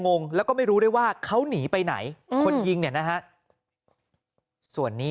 งงแล้วก็ไม่รู้ได้ว่าเขาหนีไปไหนคนยิงเนี่ยนะฮะส่วนนี้